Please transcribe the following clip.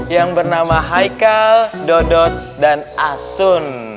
yang bernama haikal dodot dan asun